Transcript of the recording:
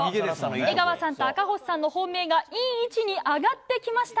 江川さんと赤星さんの本命がいい位置に上がってきました。